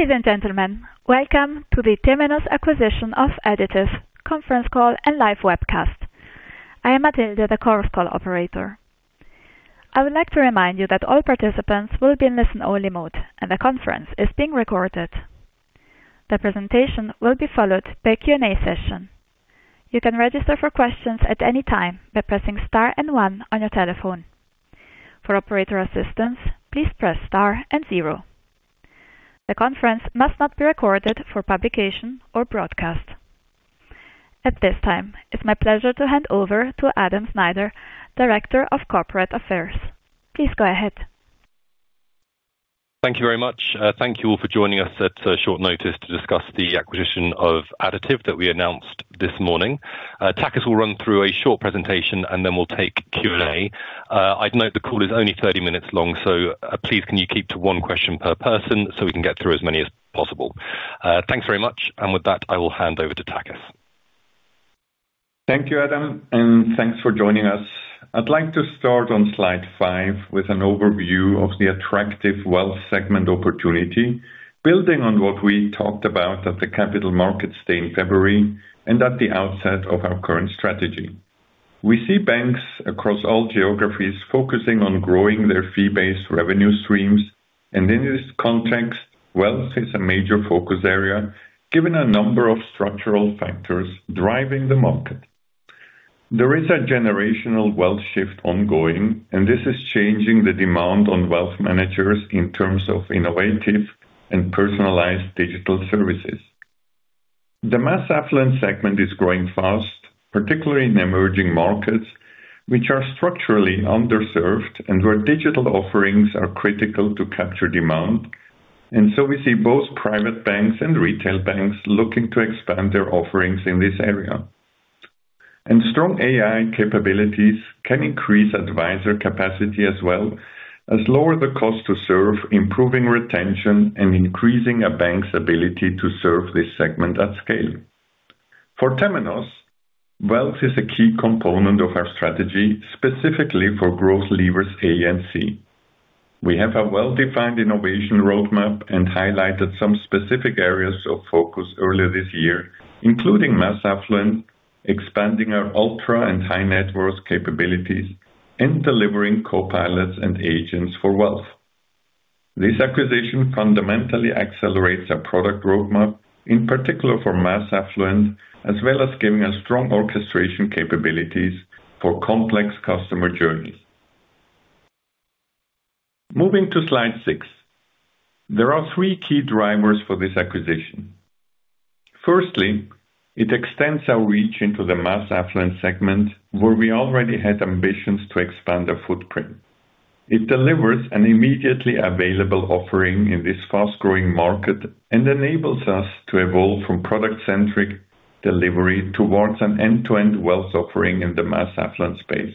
Ladies and gentlemen, welcome to the Temenos acquisition of additiv conference call and live webcast. I am Matilde, the conference call operator. I would like to remind you that all participants will be in listen-only mode, and the conference is being recorded. The presentation will be followed by a Q&A session. You can register for questions at any time by pressing star and one on your telephone. For operator assistance, please press star and zero. The conference must not be recorded for publication or broadcast. At this time, it's my pleasure to hand over to Adam Snyder, Director of Corporate Affairs. Please go ahead. Thank you very much. Thank you all for joining us at short notice to discuss the acquisition of additiv that we announced this morning. Takis will run through a short presentation, we'll take Q&A. I'd note the call is only 30 minutes long, so please can you keep to one question per person so we can get through as many as possible. Thanks very much. With that, I will hand over to Takis. Thank you, Adam, and thanks for joining us. I'd like to start on slide five with an overview of the attractive wealth segment opportunity, building on what we talked about at the Capital Markets Day in February and at the outset of our current strategy. We see banks across all geographies focusing on growing their fee-based revenue streams. In this context, wealth is a major focus area, given a number of structural factors driving the market. There is a generational wealth shift ongoing, and this is changing the demand on wealth managers in terms of innovative and personalized digital services. The mass affluent segment is growing fast, particularly in emerging markets, which are structurally underserved and where digital offerings are critical to capture demand. We see both private banks and retail banks looking to expand their offerings in this area. Strong AI capabilities can increase advisor capacity as well, as lower the cost to serve, improving retention and increasing a bank's ability to serve this segment at scale. For Temenos, wealth is a key component of our strategy, specifically for growth levers A and C. We have a well-defined innovation roadmap and highlighted some specific areas of focus earlier this year, including mass affluent, expanding our ultra and high-net-worth capabilities, and delivering copilots and agents for wealth. This acquisition fundamentally accelerates our product roadmap, in particular for mass affluent, as well as giving us strong orchestration capabilities for complex customer journeys. Moving to slide six. There are three key drivers for this acquisition. Firstly, it extends our reach into the mass affluent segment, where we already had ambitions to expand our footprint. It delivers an immediately available offering in this fast-growing market and enables us to evolve from product-centric delivery towards an end-to-end wealth offering in the mass affluent space.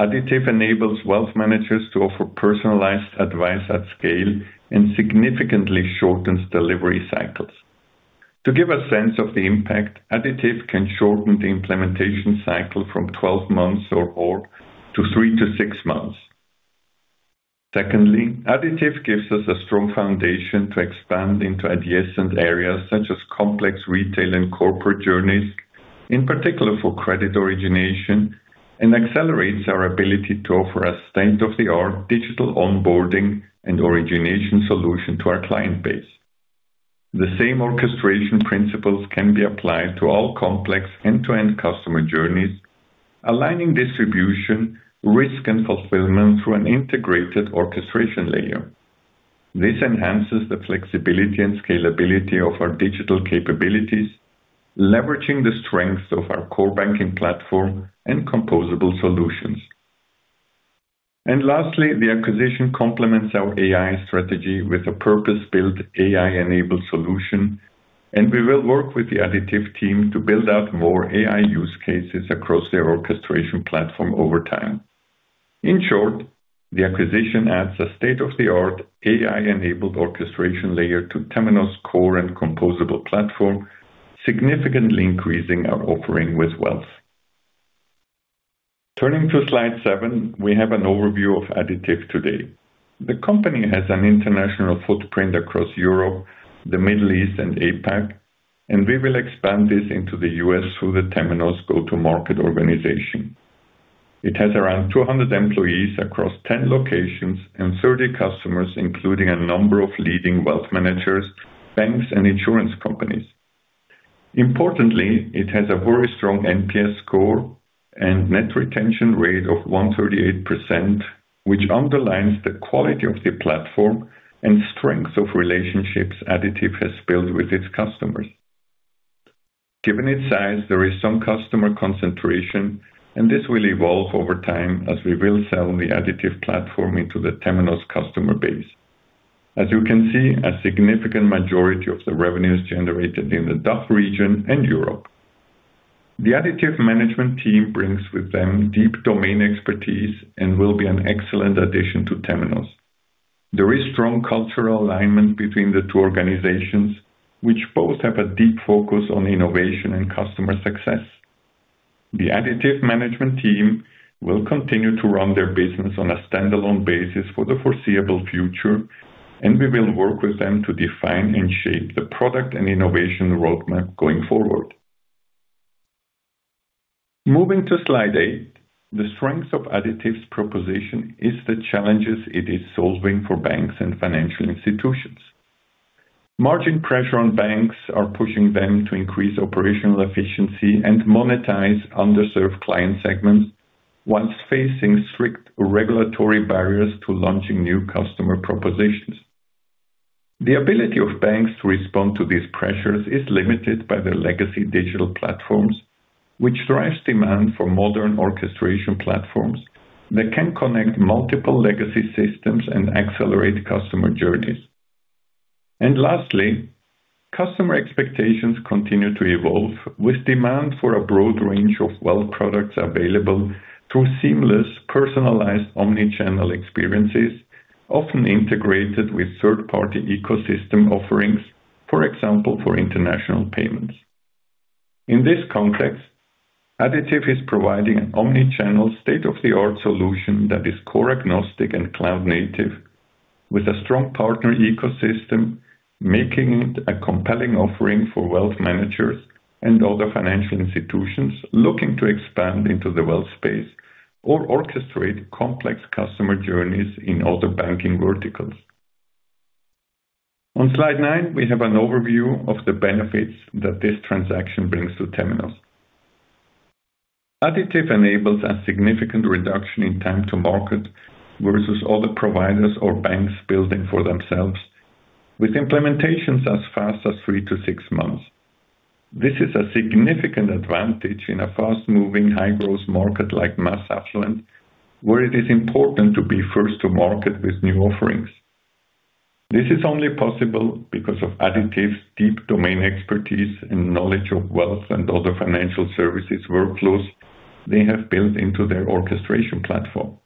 Additiv enables wealth managers to offer personalized advice at scale and significantly shortens delivery cycles. To give a sense of the impact, additiv can shorten the implementation cycle from 12 months or more to three to six months. Secondly, additiv gives us a strong foundation to expand into adjacent areas such as complex retail and corporate journeys, in particular for credit origination, and accelerates our ability to offer a state-of-the-art digital onboarding and origination solution to our client base. The same orchestration principles can be applied to all complex end-to-end customer journeys, aligning distribution, risk, and fulfillment through an integrated orchestration layer. This enhances the flexibility and scalability of our digital capabilities, leveraging the strengths of our core banking platform and composable solutions. Lastly, the acquisition complements our AI strategy with a purpose-built AI-enabled solution, and we will work with the additiv team to build out more AI use cases across their orchestration platform over time. In short, the acquisition adds a state-of-the-art AI-enabled orchestration layer to Temenos' core and composable platform, significantly increasing our offering with wealth. Turning to slide seven, we have an overview of additiv today. The company has an international footprint across Europe, the Middle East, and APAC, and we will expand this into the U.S. through the Temenos go-to-market organization. It has around 200 employees across 10 locations and 30 customers, including a number of leading wealth managers, banks, and insurance companies. Importantly, it has a very strong NPS score and net retention rate of 138%, which underlines the quality of the platform and strength of relationships additiv has built with its customers. Given its size, there is some customer concentration, and this will evolve over time as we will sell the additiv platform into the Temenos customer base. As you can see, a significant majority of the revenue is generated in the DACH region and Europe. The additiv management team brings with them deep domain expertise and will be an excellent addition to Temenos. There is strong cultural alignment between the two organizations, which both have a deep focus on innovation and customer success. The additiv management team will continue to run their business on a standalone basis for the foreseeable future, and we will work with them to define and shape the product and innovation roadmap going forward. Moving to slide eight, the strengths of additiv's proposition is the challenges it is solving for banks and financial institutions. Margin pressure on banks are pushing them to increase operational efficiency and monetize underserved client segments whilst facing strict regulatory barriers to launching new customer propositions. The ability of banks to respond to these pressures is limited by their legacy digital platforms, which drives demand for modern orchestration platforms that can connect multiple legacy systems and accelerate customer journeys. Lastly, customer expectations continue to evolve with demand for a broad range of wealth products available through seamless, personalized omni-channel experiences, often integrated with third-party ecosystem offerings, for example, for international payments. In this context, additiv is providing an omni-channel, state-of-the-art solution that is core agnostic and cloud-native with a strong partner ecosystem, making it a compelling offering for wealth managers and other financial institutions looking to expand into the wealth space or orchestrate complex customer journeys in other banking verticals. On slide nine, we have an overview of the benefits that this transaction brings to Temenos. additiv enables a significant reduction in time to market versus other providers or banks building for themselves, with implementations as fast as three to six months. This is a significant advantage in a fast-moving, high-growth market like mass affluent, where it is important to be first to market with new offerings. This is only possible because of additiv's deep domain expertise and knowledge of wealth and other financial services workflows they have built into their orchestration platform.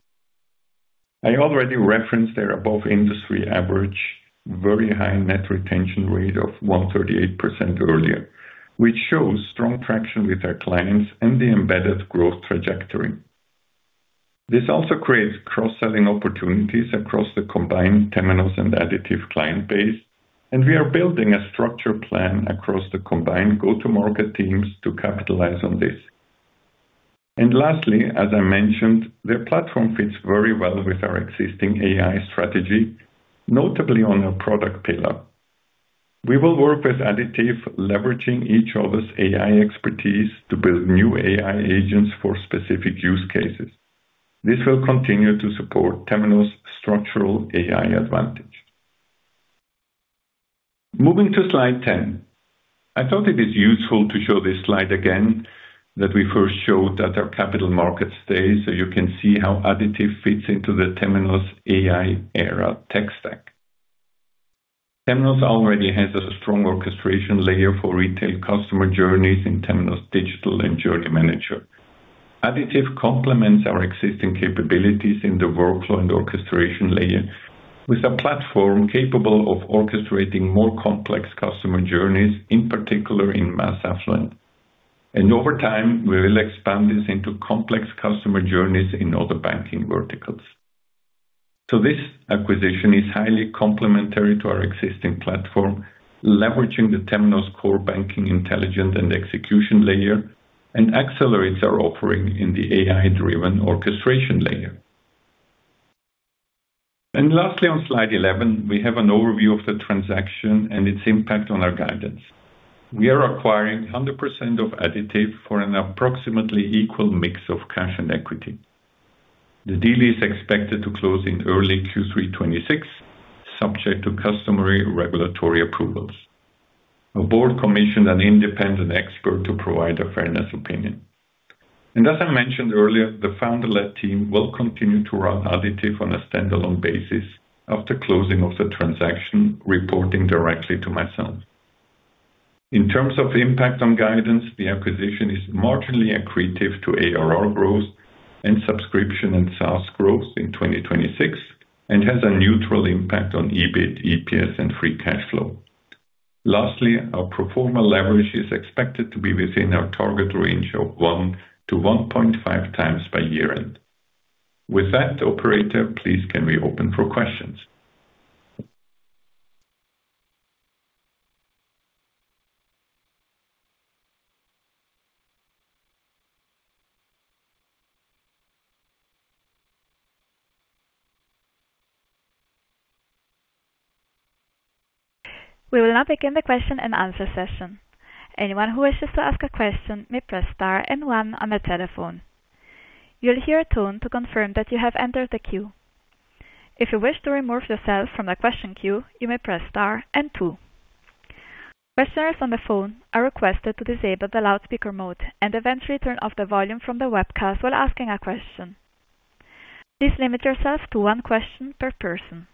I already referenced their above industry average, very high net retention rate of 138% earlier, which shows strong traction with our clients and the embedded growth trajectory. This also creates cross-selling opportunities across the combined Temenos and additiv client base, we are building a structure plan across the combined go-to-market teams to capitalize on this. Lastly, as I mentioned, their platform fits very well with our existing AI strategy, notably on our product pillar. We will work with additiv, leveraging each other's AI expertise to build new AI agents for specific use cases. This will continue to support Temenos' structural AI advantage. Moving to slide 10. I thought it is useful to show this slide again that we first showed at our Capital Market stage so you can see how additiv fits into the Temenos AI era tech stack. Temenos already has a strong orchestration layer for retail customer journeys in Temenos' digital and Journey Manager. Additiv complements our existing capabilities in the workflow and orchestration layer with a platform capable of orchestrating more complex customer journeys, in particular in mass affluent. Over time, we will expand this into complex customer journeys in other banking verticals. This acquisition is highly complementary to our existing platform, leveraging the Temenos core banking intelligence and execution layer, accelerates our offering in the AI-driven orchestration layer. Lastly, on slide 11, we have an overview of the transaction and its impact on our guidance. We are acquiring 100% of additiv for an approximately equal mix of cash and equity. The deal is expected to close in early Q3 2026, subject to customary regulatory approvals. Our board commissioned an independent expert to provide a fairness opinion. As I mentioned earlier, the founder-led team will continue to run additiv on a standalone basis after closing of the transaction, reporting directly to myself. In terms of impact on guidance, the acquisition is marginally accretive to ARR growth and subscription and SaaS growth in 2026 and has a neutral impact on EBIT, EPS, and free cash flow. Lastly, our pro forma leverage is expected to be within our target range of 1x to 1.5x by year-end. With that, Operator, please can we open for questions? We will now begin the question and answer session. Anyone who wishes to ask a question may press star and one on the telephone. You'll hear a tone to confirm that you have entered the queue. If you wish to remove yourself from the question queue, you may press star and two. Questioners on the phone are requested to disable the loudspeaker mode and eventually turn off the volume from the webcast while asking a question. Please limit yourselves to one question per person.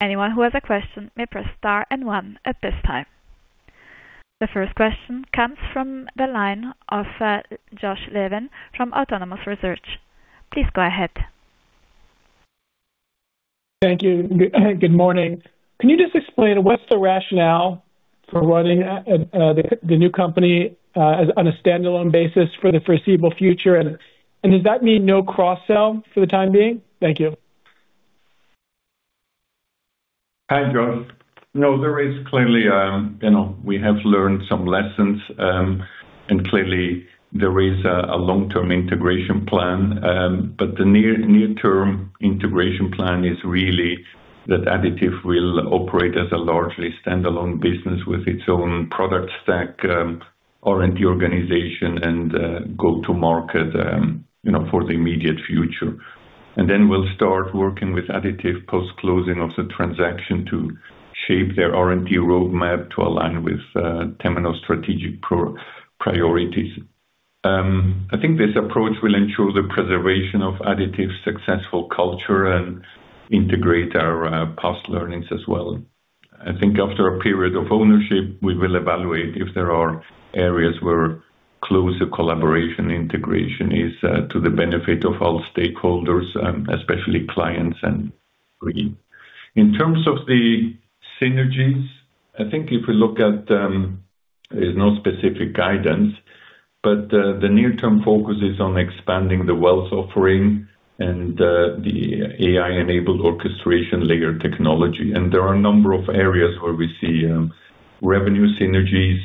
Anyone who has a question may press star and one at this time. The first question comes from the line of Josh Levin from Autonomous Research. Please go ahead. Thank you. Good morning. Can you just explain what's the rationale for running the new company on a standalone basis for the foreseeable future? Does that mean no cross-sell for the time being? Thank you. Hi, Josh. There is clearly, we have learned some lessons, clearly there is a long-term integration plan. The near-term integration plan is really that additiv will operate as a largely standalone business with its own product stack, R&D organization, and go-to-market for the immediate future. Then we'll start working with additiv post-closing of the transaction to shape their R&D roadmap to align with Temenos' strategic priorities. I think this approach will ensure the preservation of additiv's successful culture and integrate our past learnings as well. I think after a period of ownership, we will evaluate if there are areas where closer collaboration integration is to the benefit of all stakeholders, especially clients and we. In terms of the synergies, I think if we look at, there's no specific guidance, the near-term focus is on expanding the wealth offering and the AI-enabled orchestration layer technology. There are a number of areas where we see revenue synergies.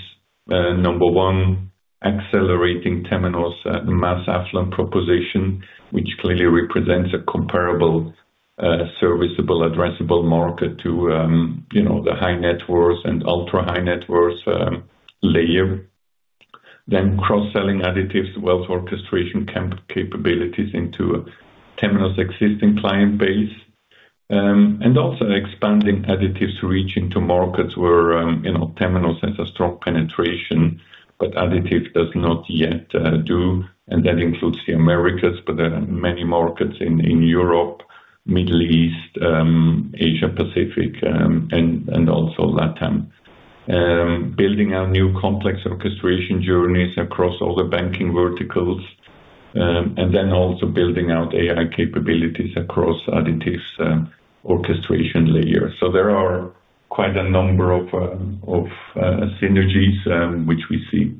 Number one, accelerating Temenos' mass affluent proposition, which clearly represents a comparable, serviceable addressable market to the high-net worth and ultra-high-net worth layer. Then cross-selling additiv's wealth orchestration capabilities into Temenos' existing client base. Also expanding additiv's reach into markets where Temenos has a strong penetration, but additiv does not yet do. That includes the Americas, many markets in Europe, Middle East, Asia-Pacific, and also LATAM. Building out new complex orchestration journeys across all the banking verticals, then also building out AI capabilities across additiv's orchestration layer. There are quite a number of synergies which we see.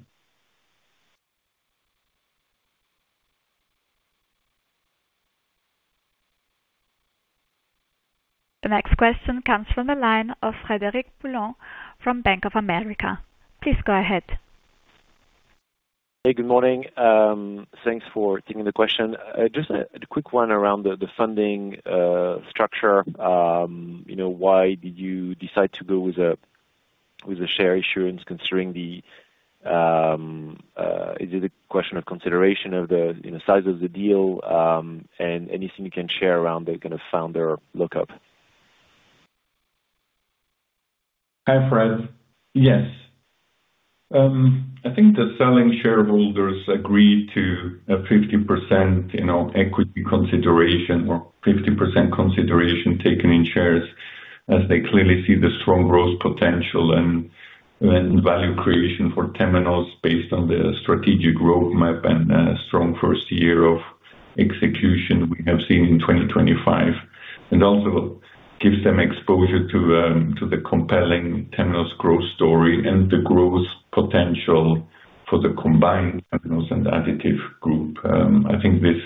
The next question comes from the line of Frederic Boulan from Bank of America. Please go ahead. Hey, good morning. Thanks for taking the question. Just a quick one around the funding structure. Why did you decide to go with a share issuance? Is it a question of consideration of the size of the deal? Anything you can share around the kind of founder lockup? Hi, Fred. Yes. I think the selling shareholders agreed to a 50% equity consideration or 50% consideration taken in shares as they clearly see the strong growth potential and value creation for Temenos based on the strategic roadmap and strong first year of execution we have seen in 2025. Also gives them exposure to the compelling Temenos growth story and the growth potential for the combined Temenos and additiv group. I think this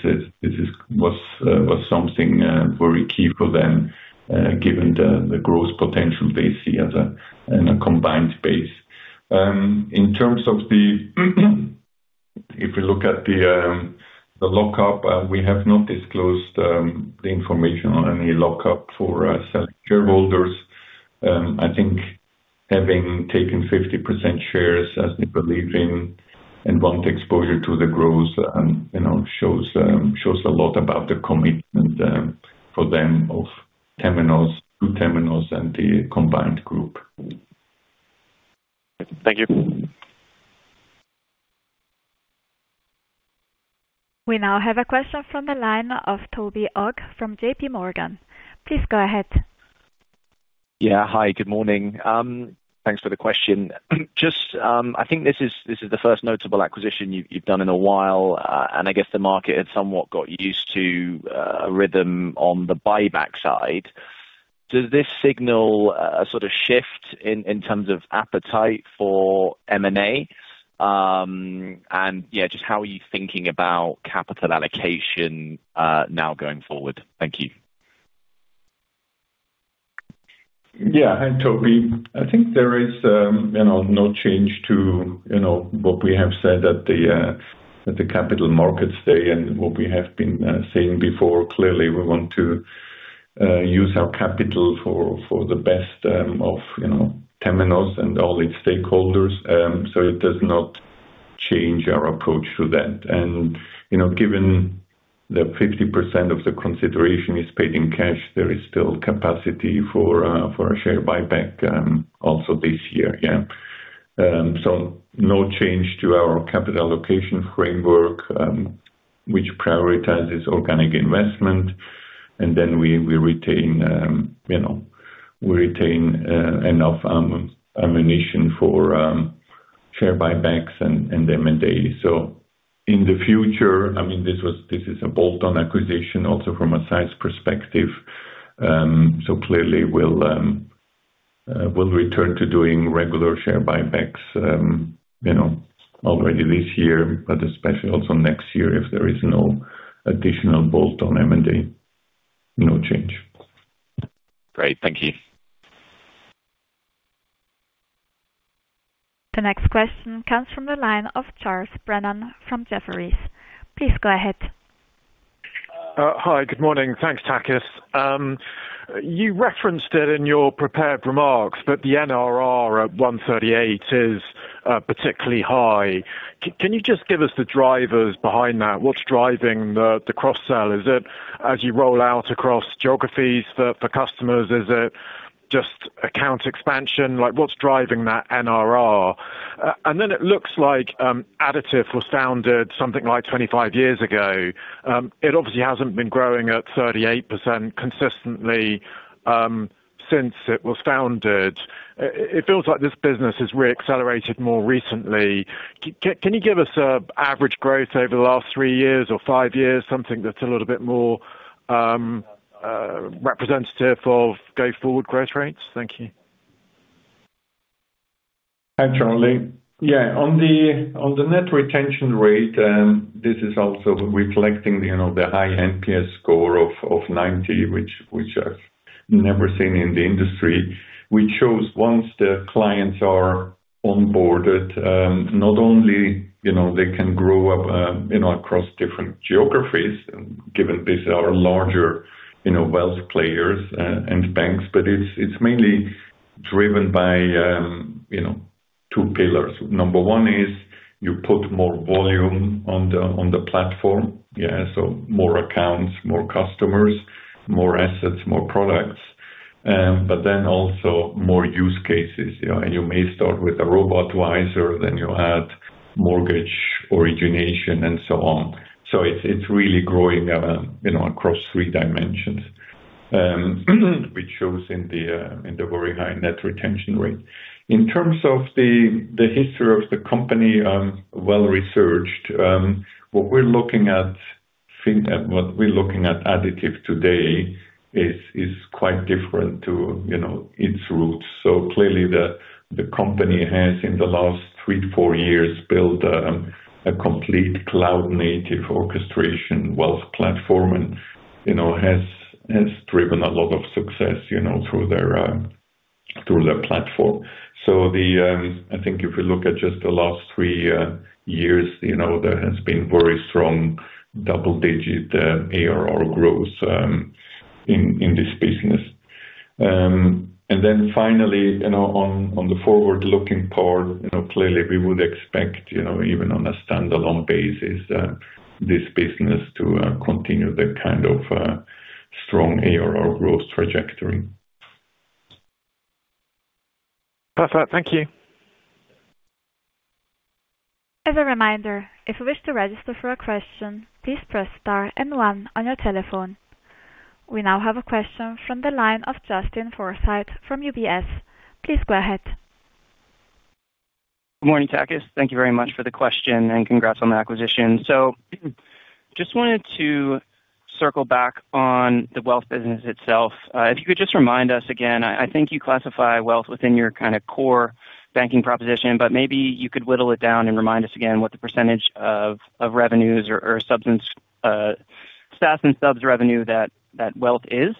was something very key for them, given the growth potential they see as a combined base. In terms of the if we look at the lockup, we have not disclosed the information on any lockup for our shareholders. I think having taken 50% shares as they believe in and want exposure to the growth and shows a lot about the commitment for them of Temenos, through Temenos, and the combined group. Thank you. We now have a question from the line of Toby Ogg from JPMorgan. Please go ahead. Yeah. Hi, good morning. Thanks for the question. I think this is the first notable acquisition you've done in a while, and I guess the market had somewhat got used to a rhythm on the buyback side. Does this signal a sort of shift in terms of appetite for M&A? Just how are you thinking about capital allocation now going forward? Thank you. Yeah. Hi, Toby. I think there is no change to what we have said at the capital markets day and what we have been saying before. Clearly, we want to use our capital for the best of Temenos and all its stakeholders. It does not change our approach to that. Given that 50% of the consideration is paid in cash, there is still capacity for a share buyback also this year, yeah. No change to our capital allocation framework, which prioritizes organic investment. We retain enough ammunition for share buybacks and M&A. In the future, this is a bolt-on acquisition also from a size perspective. Clearly we'll return to doing regular share buybacks already this year, but especially also next year if there is no additional bolt-on M&A. No change. Great. Thank you. The next question comes from the line of Charles Brennan from Jefferies. Please go ahead. Hi. Good morning. Thanks, Takis. The NRR at 138 is particularly high. Can you just give us the drivers behind that? What's driving the cross-sell? Is it as you roll out across geographies for customers? Is it just account expansion? What's driving that NRR? It looks like additiv was founded something like 25 years ago. It obviously hasn't been growing at 38% consistently since it was founded. It feels like this business has re-accelerated more recently. Can you give us an average growth over the last three years or five years, something that's a little bit more representative of go-forward growth rates? Thank you. Hi, Charlie. Yeah, on the net retention rate, this is also reflecting the high NPS score of 90, which I've never seen in the industry. We chose, once the clients are onboarded, not only they can grow up across different geographies, given these are larger wealth players and banks, it's mainly driven by two pillars. Number one is you put more volume on the platform. Yeah, more accounts, more customers, more assets, more products. Also more use cases. You may start with a Robo-Advise, then you add mortgage origination and so on. It's really growing across three dimensions, which shows in the very high net retention rate. In terms of the history of the company, well-researched. What we're looking at additiv today is quite different to its roots. Clearly the company has, in the last three to four years, built a complete cloud-native orchestration wealth platform and has driven a lot of success through their platform. I think if we look at just the last three years, there has been very strong double-digit ARR growth in this business. Finally, on the forward-looking part, clearly we would expect, even on a standalone basis, this business to continue the kind of strong ARR growth trajectory. Perfect. Thank you. As a reminder, if you wish to register for a question, please press star one on your telephone. We now have a question from the line of Justin Forsythe from UBS. Please go ahead. Good morning, Takis. Thank you very much for the question, congrats on the acquisition. Just wanted to circle back on the wealth business itself. If you could just remind us again, I think you classify wealth within your core banking proposition, but maybe you could whittle it down and remind us again what the percentage of revenues or SaaS and Subs revenue that wealth is.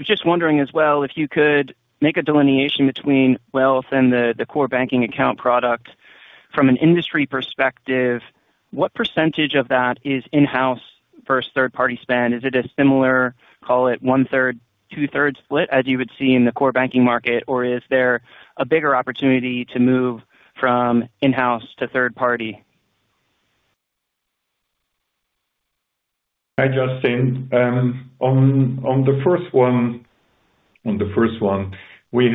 Just wondering as well, if you could make a delineation between wealth and the core banking account product. From an industry perspective, what percentage of that is in-house versus third-party spend? Is it a similar, call it 1/3, 2/3 split, as you would see in the core banking market, or is there a bigger opportunity to move from in-house to third party? Hi, Justin. On the first one, we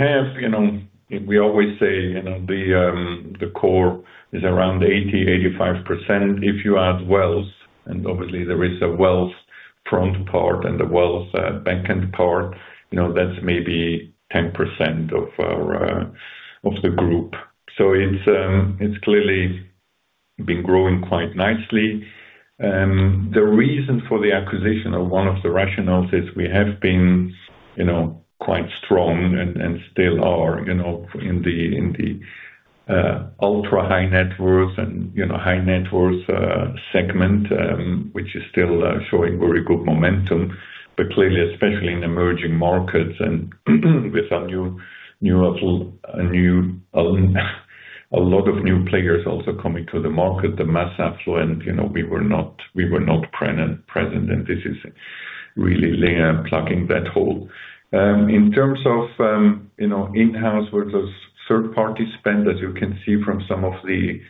always say the core is around 80%-85%. If you add wealth, and obviously there is a wealth front part and the wealth backend part, that's maybe 10% of the group. It's clearly been growing quite nicely. The reason for the acquisition, or one of the rationales is we have been quite strong and still are in the ultra-high-net worth and high-net worth segment, which is still showing very good momentum. Clearly, especially in emerging markets and with a lot of new players also coming to the market, the mass affluent, we were not present, and this is really plugging that hole. In terms of in-house versus third-party spend, as you can see from some of the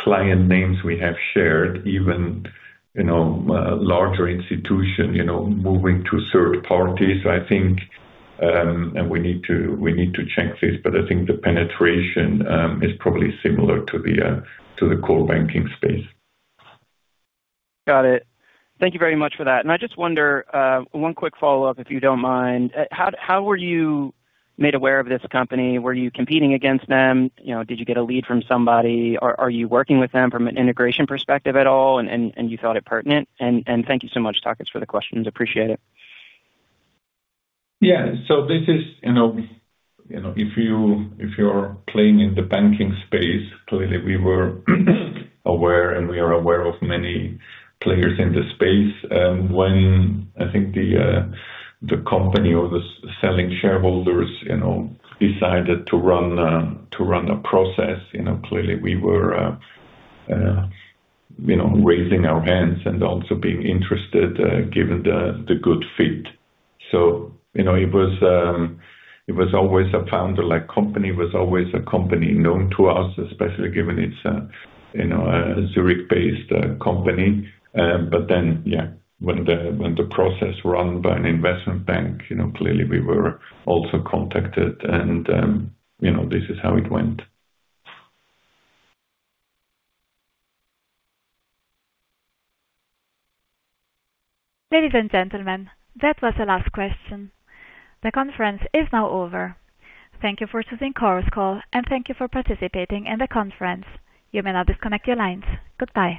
client names we have shared, even larger institution moving to third parties, I think, and we need to check this, but I think the penetration is probably similar to the core banking space. Got it. Thank you very much for that. I just wonder, one quick follow-up, if you don't mind. How were you made aware of this company? Were you competing against them? Did you get a lead from somebody? Are you working with them from an integration perspective at all and you felt it pertinent? Thank you so much, Takis, for the questions. Appreciate it. Yeah. If you're playing in the banking space, clearly we were aware, and we are aware of many players in the space. When I think the company or the selling shareholders decided to run a process, clearly we were raising our hands and also being interested given the good fit. It was always a founder-like company, was always a company known to us, especially given it's a Zurich-based company. Yeah, when the process run by an investment bank, clearly we were also contacted and this is how it went. Ladies and gentlemen, that was the last question. The conference is now over. Thank you for choosing Chorus Call, and thank you for participating in the conference. You may now disconnect your lines. Goodbye